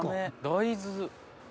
大豆。